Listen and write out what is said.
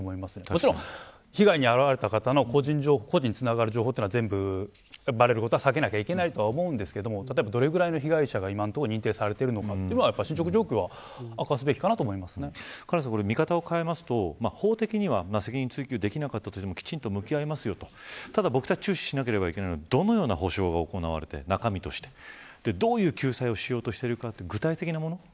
もちろん、被害に遭われた方の個人につながる情報はばれることは避けなきゃいけないと思いますが例えば、どれぐらいの被害者が今のところ認定されているのかとか進捗状況は見方を変えると、法的には責任追及できなかった人もきちんと向き合いますよと注視しなければいけないのはどのような補償が行われてどういう救済をしようとしているか